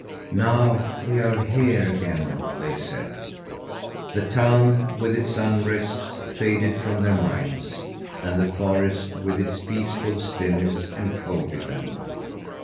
"Now we are here again!" they said. The town, with its unrest, faded from their minds, and the forest, with its peaceful stillness, enfolded them.